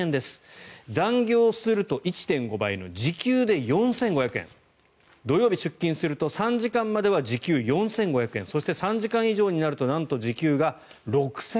残業すると１．５倍の時給で４５００円土曜日出勤すると３時間までは時給４５００円そして３時間以上になるとなんと時給が６０００円と。